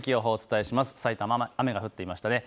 さいたまは雨が降っていましたね。